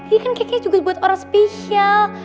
ini keknya juga buat orang spesial